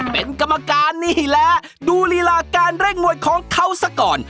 เป็นกรรมการนี่แหละดูลีลาการเร่งมวยของเขาซะก่อน